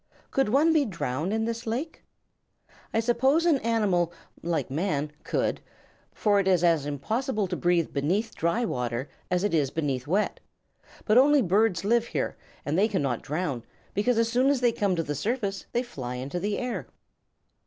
"Could one be drowned in this lake?" "I suppose an animal, like man, could, for it is as impossible to breathe beneath dry water as it is beneath wet. But only birds live here, and they cannot drown, because as soon as they come to the surface they fly into the air."